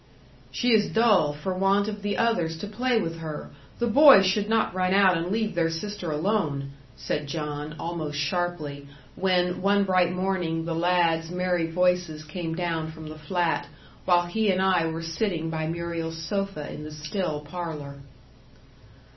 "She is dull, for want of the others to play with her. The boys should not run out and leave their sister alone," said John, almost sharply, when one bright morning the lads' merry voices came down from the Flat, while he and I were sitting by Muriel's sofa in the still parlour.